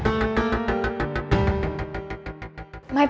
gue dari rumah lo